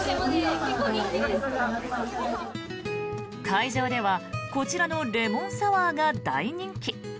会場ではこちらのレモンサワーが大人気。